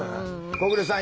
小暮さん